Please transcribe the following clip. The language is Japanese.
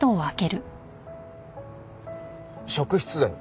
職質だよ。